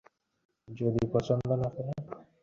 যদি পছন্দ না করে?